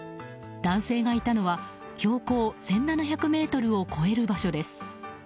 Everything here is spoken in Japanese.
男性がいたのは標高１７００ｍを超える場所です。